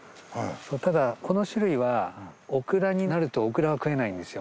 ただこの種類はオクラになるとオクラは食えないんですよ。